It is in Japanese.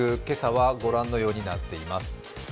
今朝は御覧のようになっています。